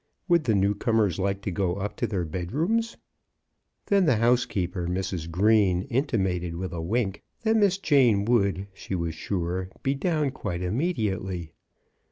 Would the new comers like to go up to their bed rooms? Then the housekeeper, Mrs. Green, intimated with a wink that Miss Jane would, she was sure, be down quite immediately.